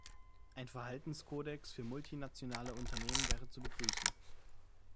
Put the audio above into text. Ein Verhaltenskodex für multinationale Unternehmen wäre zu begrüßen.